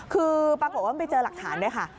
คือปรากฏว่าไม่เจอหลักฐานด้วยค่ะ